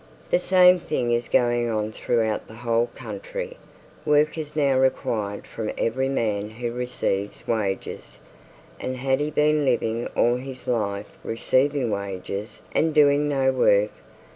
'The same thing is going on throughout the whole country!' 'Work is now required from every man who receives wages!' and had he been living all his life receiving wages and doing no work?